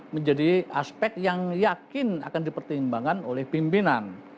menjadi aspek yang yakin akan dipertimbangkan oleh pimpinan